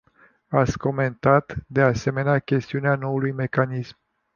Ați comentat, de asemenea, chestiunea noului mecanism.